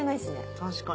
確かに。